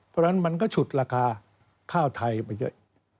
เพราะฉะนั้นมันก็ฉุดราคาข้าวไทยไปเยอะ